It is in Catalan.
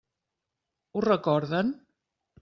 Ho recorden?